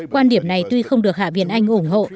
quan điểm này tuy không được hạ viện anh ủng hộ